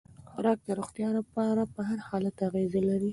خوراک د روغتیا پر حالت اغېز لري.